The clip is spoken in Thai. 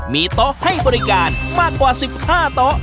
มีโต๊ะให้บริการมากกว่า๑๕โต๊ะ